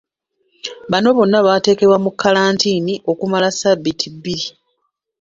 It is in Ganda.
Bano bonna bateekebwa mu kalantiini okumala ssabbiiti bbiri.